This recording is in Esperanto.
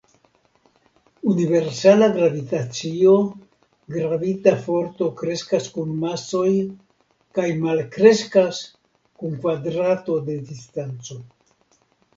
Universala Gravitacio: Gravita forto kreskas kun masoj kaj malkreskas kun kvadrato de distanco.